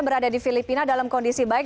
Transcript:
berada di filipina dalam kondisi baik